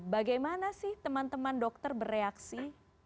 bagaimana sih teman teman dokter bereaksi